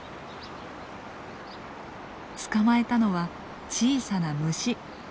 捕まえたのは小さな虫。